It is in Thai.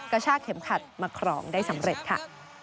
กระชากเข็มขัดมาครองได้สำเร็จค่ะ